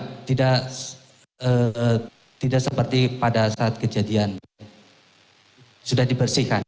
karena tidak seperti pada saat kejadian sudah dibersihkan